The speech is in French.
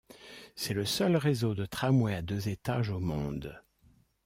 C'est le seul réseau de tramways à deux étages au monde.